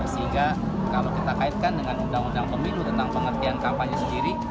sehingga kalau kita kaitkan dengan undang undang pemilu tentang pengertian kampanye sendiri